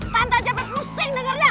tante aja pusing dengernya